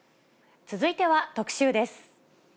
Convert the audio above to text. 続いては特集です。